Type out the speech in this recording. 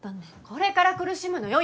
これから苦しむのよ